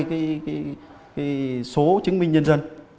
cái số chứng minh nhân dân